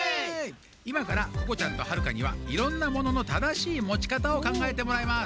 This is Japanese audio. いまからここちゃんとはるかにはいろんなものの正しい持ち方をかんがえてもらいます。